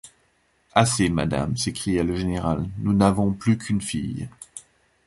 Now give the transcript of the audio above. Assez, madame, s’écria le général, nous n’avons plus qu’une fille!